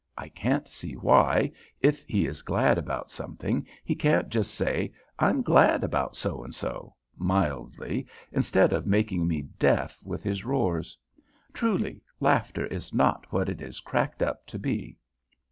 I can't see why, if he is glad about something, he can't just say, "I'm glad about so and so," mildly, instead of making me deaf with his roars. Truly, laughter is not what it is cracked up to be.'